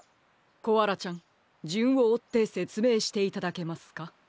コアラちゃんじゅんをおってせつめいしていただけますか？